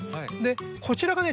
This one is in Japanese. こちらがね